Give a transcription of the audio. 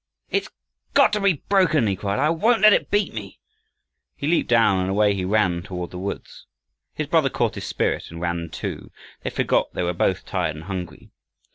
"It's GOT to be broken!" he cried. "I WON'T let it beat me." He leaped down, and away he ran toward the woods. His brother caught his spirit, and ran too. They forgot they were both tired and hungry.